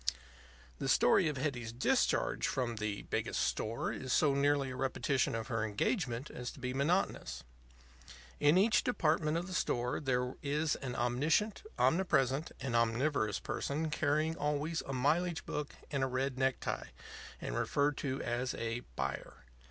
The story of Hetty's discharge from the Biggest Store is so nearly a repetition of her engagement as to be monotonous. In each department of the store there is an omniscient, omnipresent, and omnivorous person carrying always a mileage book and a red necktie, and referred to as a "buyer."